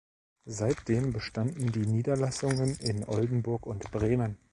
Seitdem bestanden die Niederlassungen in Oldenburg und Bremen.